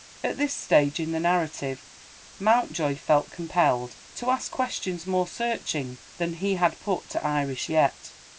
At this stage in the narrative, Mountjoy felt compelled to ask questions more searching than he had put to Iris yet.